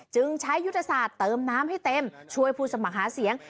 จึงใช้ยุทธศาสตร์เติมน้ำให้เต็มช่วยผู้สมัครหาเสียง